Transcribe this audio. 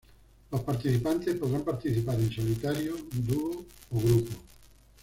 Los participantes podrán participar en solitario, dúo o grupo.